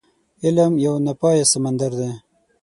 علم يو ناپايه سمندر دی.